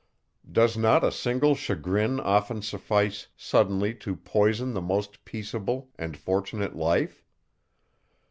Does not a single chagrin often suffice suddenly to poison the most peaceable and fortunate life?